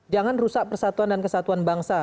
jangan rusak persatuan dan kesatuan bangsa